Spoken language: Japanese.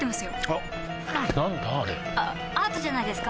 あアートじゃないですか？